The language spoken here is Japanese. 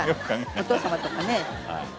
お父様とかね。